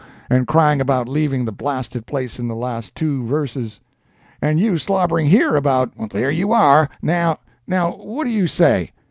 and crying about leaving the blasted place in the two last verses; and you slobbering here about—there you are! Now—now, what do you say?